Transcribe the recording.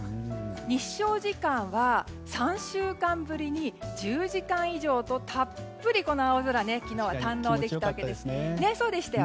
日照時間は３週間ぶりに１０時間以上とたっぷり青空を昨日は堪能できました。